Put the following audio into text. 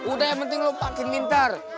udah yang penting lo makin pinter